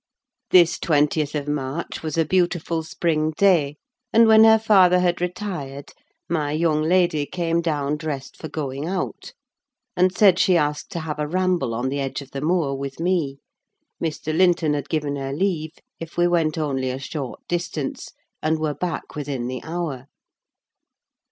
This twentieth of March was a beautiful spring day, and when her father had retired, my young lady came down dressed for going out, and said she asked to have a ramble on the edge of the moor with me: Mr. Linton had given her leave, if we went only a short distance and were back within the hour.